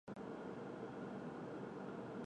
溶血性尿毒综合征和血小板数量下降综合征。